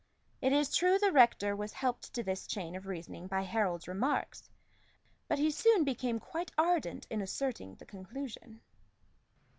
It is true the rector was helped to this chain of reasoning by Harold's remarks; but he soon became quite ardent in asserting the conclusion.